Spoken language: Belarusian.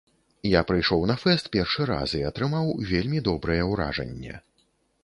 Я прыйшоў на фэст першы раз і атрымаў вельмі добрае ўражанне.